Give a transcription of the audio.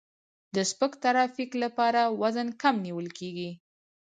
د سپک ترافیک لپاره وزن کم نیول کیږي